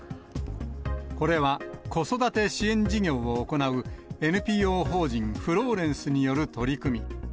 これは、子育て支援事業を行う、ＮＰＯ法人フローレンスによる取り組み。